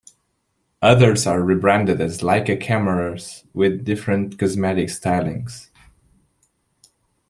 Others are rebranded as Leica cameras with different cosmetic stylings.